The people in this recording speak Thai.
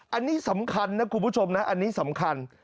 อันนี้สำคัญนะคุณผู้ชมนะอันนี้สำคัญ